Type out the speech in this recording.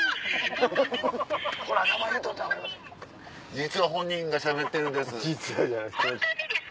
実は本人がしゃべってるんです。